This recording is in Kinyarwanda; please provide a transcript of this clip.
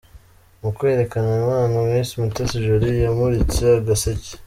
Mu kwerekana impano, Miss Mutesi Jolly yamuritse agaseke.